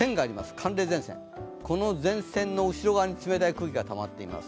寒冷前線、この後ろ側に冷たい空気がたまっています。